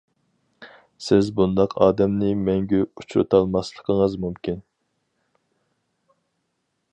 سىز بۇنداق ئادەمنى مەڭگۈ ئۇچرىتالماسلىقىڭىز مۇمكىن.